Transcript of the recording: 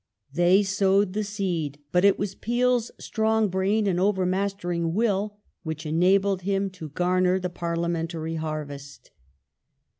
They sowed the seed ; but it was Peel's strong brain and over mastering will which enabled him to garner the parliamentary harvest.